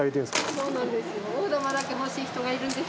そうなんです。